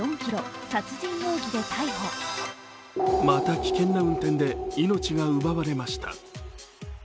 また危険な運転で命が奪われました。